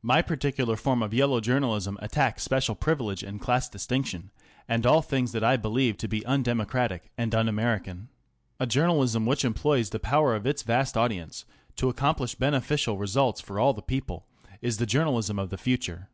My Character Sketch. 337 particular form of yellow journalism attacks special privilege and class distinction, and all things that I believe to be undemocratic and un American. A journalism which employs the power of its vast audience to accomplish beneficial results for all the people is the Journalism of the Future.